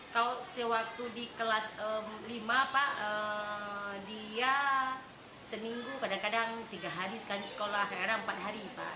kalau sewaktu di kelas lima pak dia seminggu kadang kadang tiga hari sekali sekolah kadang empat hari pak